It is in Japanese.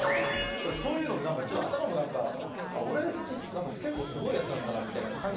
そういうので頭も何か俺って結構すごいヤツなんだなみたいな勘違い。